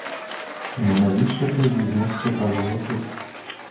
Ну навіщо цей візник чекав його тут?